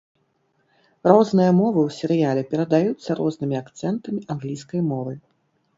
Розныя мовы ў серыяле перадаюцца рознымі акцэнтамі англійскай мовы.